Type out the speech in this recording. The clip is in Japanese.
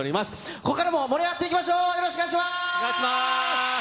ここからも盛り上がっていきましょう。